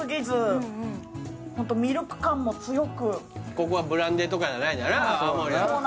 ここはブランデーとかじゃないんだな